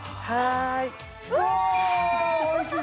はい。